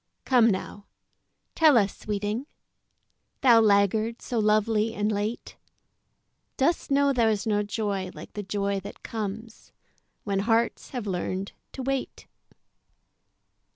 Come now tell us, sweeting, Thou laggard so lovely and late, Dost know there's no joy like the joy that comes When hearts have learned to wait?